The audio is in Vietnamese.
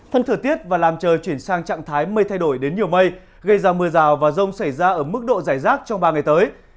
thân thừa tiết và làm trời chuyển sang trạng thái mây thay đổi đến nhiều mây gây ra mưa rào và rông xảy ra ở mức độ giải rác trong ba ngày tới